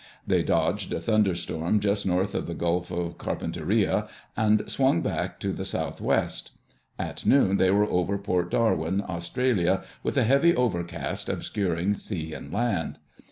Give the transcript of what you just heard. They dodged a thunder storm just north of the Gulf of Carpenteria and swung back to the southwest. At noon they were over Port Darwin, Australia, with a heavy overcast obscuring sea and land.